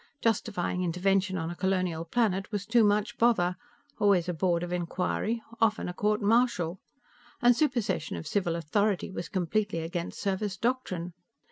Justifying intervention on a Colonial planet was too much bother always a board of inquiry, often a courtmartial. And supersession of civil authority was completely against Service Doctrine.